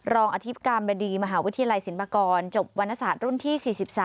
อธิบกรรมบดีมหาวิทยาลัยศิลปากรจบวรรณศาสตร์รุ่นที่๔๓